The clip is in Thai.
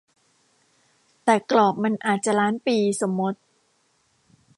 แต่กรอบมันอาจจะล้านปี สมมติ